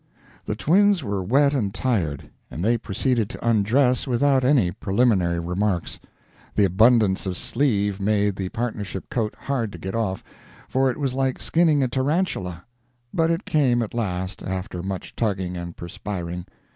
The twins were wet and tired, and they proceeded to undress without any preliminary remarks. The abundance of sleeve made the partnership coat hard to get off, for it was like skinning a tarantula; but it came at last, after much tugging and perspiring.